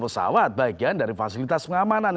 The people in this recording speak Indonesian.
pesawat bagian dari fasilitas pengamanan